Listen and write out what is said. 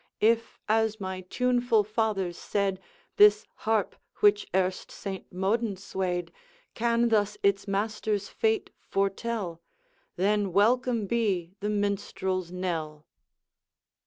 If, as my tuneful fathers said, This harp, which erst Saint Modan swayed, Can thus its master's fate foretell, Then welcome be the minstrel's knell.'